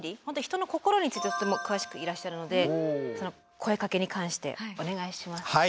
本当に人の心について詳しくいらっしゃるのでその声かけに関してお願いします。